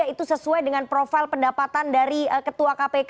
itu sesuai dengan profil pendapatan dari ketua kpk